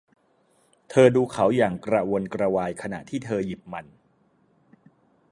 เธอดูเขาอย่างกระวนกระวายขณะที่เธอหยิบมัน